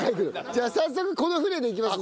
じゃあ早速この船で行きますんで。